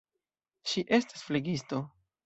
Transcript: Ŝi estas flegisto.